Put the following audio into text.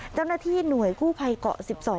เจ้าหน้าที่หน่วยกู้ภัยเกาะ๑๒